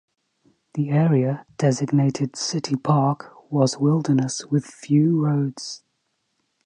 The area, designated "City Park", was wilderness with few roads.